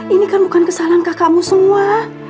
ini kan bukan kesalahan kakakmu semua